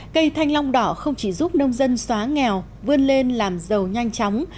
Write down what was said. cây thanh long đỏ không chỉ giúp nông dân xóa nghèo vươn lên làm giàu nhanh chóng